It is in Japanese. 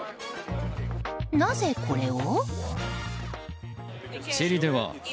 なぜこれを？